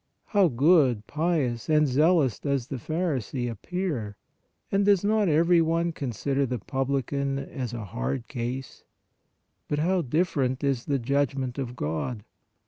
How good, pious and zealous does the pharisee appear! And does not every one consider the publican as " a hard case "? But how different is the judgment of God!